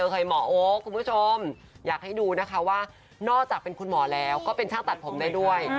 เคยหมอโอ๊คคุณผู้ชมอยากให้ดูนะคะว่านอกจากเป็นคุณหมอแล้วก็เป็นช่างตัดผมได้ด้วย